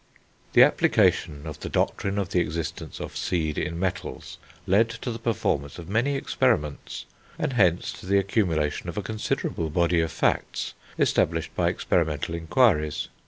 The application of the doctrine of the existence of seed in metals led to the performance of many experiments, and, hence, to the accumulation of a considerable body of facts established by experimental inquiries.